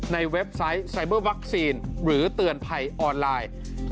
เว็บไซต์ไซเบอร์วัคซีนหรือเตือนภัยออนไลน์